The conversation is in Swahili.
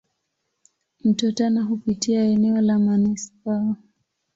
Mto Tana hupitia eneo la manispaa.